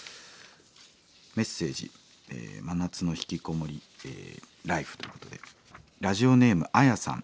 メッセージ「真夏のひきこもりライフ」ということでラジオネームアヤさん。